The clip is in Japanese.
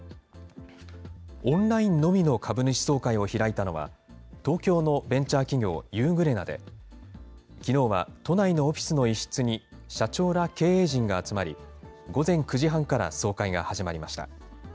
オンラインのみの株主総会を開いたのは、東京のベンチャー企業、ユーグレナで、きのうは都内のオフィスの一室に、社長ら経営陣が集まり、午前９時半から総会が始まりました。